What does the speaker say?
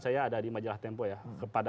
saya ada di majalah tempo ya kepada